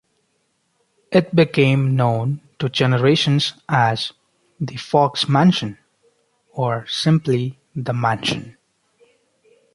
It became known to generations as "the Fox Mansion" or simply "the Mansion".